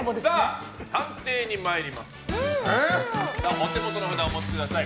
お手元の札をお持ちください。